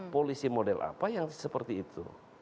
polisi model apa yang seperti itu